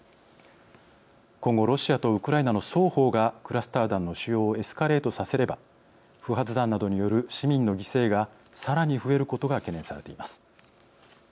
今後ロシアとウクライナの双方がクラスター弾の使用をエスカレートさせれば不発弾などによる市民の犠牲がさらに増えることが懸念されています。